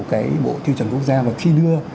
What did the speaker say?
cái bộ tiêu chuẩn quốc gia và khi đưa